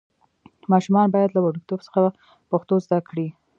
ماشومان باید له وړکتوب څخه پښتو زده کړي.